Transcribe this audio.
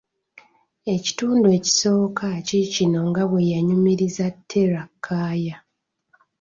Ekitundu ekisooka kiikino nga bwe yabinyumirizza Terah Kaaya.